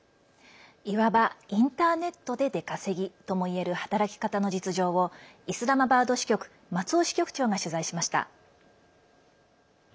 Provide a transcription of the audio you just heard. いわばインターネットで出稼ぎともいえる働き方の実情をイスラマバード支局松尾支局長が取材しました。